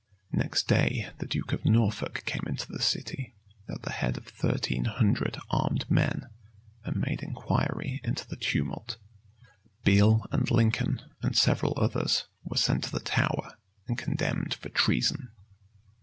Next day the duke of Norfolk came into the city, at the head of thirteen hundred armed men, and made inquiry into the tumult. Bele and Lincoln, and several others, were sent to the Tower, and condemned for treason.